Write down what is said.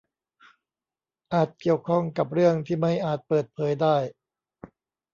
อาจเกี่ยวข้องกับเรื่องที่ไม่อาจเปิดเผยได้